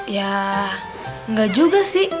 ya enggak juga sih